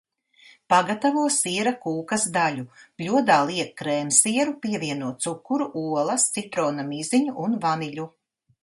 Pagatavo siera kūkas daļu – bļodā liek krēmsieru, pievieno cukuru, olas, citrona miziņu un vaniļu.